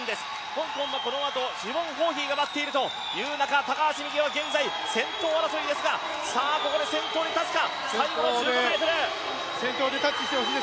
香港のこのあとシボン・ホーヒーが待っているという中高橋美紀は現在先頭争いですが先頭に立つか。